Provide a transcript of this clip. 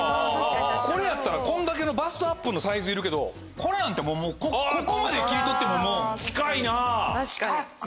これやったらこんだけのバストアップのサイズいるけどこれなんてここまで切り取ってももう。